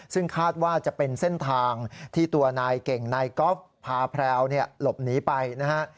ซึ่งคาดว่าจะเป็นเส้นทางที่ตัวนายเก่งนายกอล์ฟพาแพรวหลบหนีไปนะฮะ